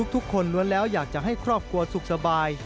ทุกคนล้วนแล้วอยากจะให้ครอบครัวสุขสบาย